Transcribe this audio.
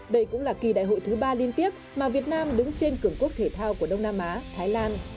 đây cũng là kỳ đại hội thứ ba liên tiếp mà việt nam đứng trên cường quốc thể thao của đông nam á thái lan